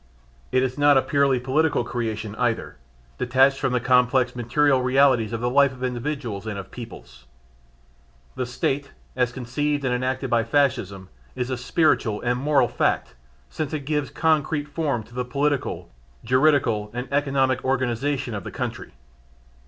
It is not a purely political creation, either, detached from the complex material realities of the life of individuals and of peoples. The State as conceived and enacted by Fascism, is a spiritual and moral fact since it gives concrete form to the political, juridical and economical organisation of the country.